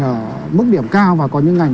ở mức điểm cao và có những ngành